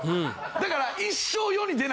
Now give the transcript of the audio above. だから。